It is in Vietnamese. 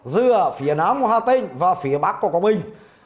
giữa phía nam hoa tây và phía bắc của cộng minh